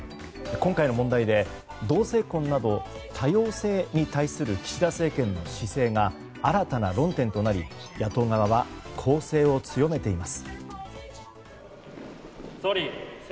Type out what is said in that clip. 今回の問題で同性婚など多様性に対する岸田政権の姿勢が新たな論点となり野党側は攻勢を強めています。